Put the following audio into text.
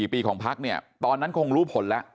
๔ปีของพักเนี่ยตอนนั้นคงรู้ผลแล้ว